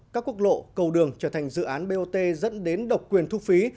các quốc lộ cầu đường trở thành dự án bot dẫn đến độc quyền thu phí